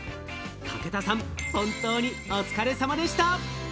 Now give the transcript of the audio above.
武田さん、本当にお疲れさまでした！